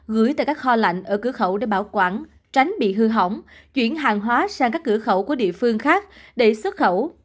gửi tại các kho lạnh ở cửa khẩu để bảo quản tránh bị hư hỏng chuyển hàng hóa sang các cửa khẩu của địa phương khác để xuất khẩu